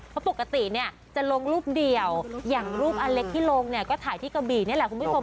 เพราะปกติเนี่ยจะลงรูปเดียวอย่างรูปอเล็กที่ลงเนี่ยก็ถ่ายที่กระบี่นี่แหละคุณผู้ชม